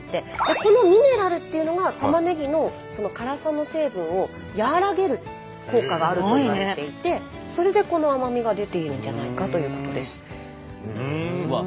このミネラルっていうのがたまねぎの辛さの成分を和らげる効果があるといわれていてそれでこの甘みが出ているんじゃないかということです。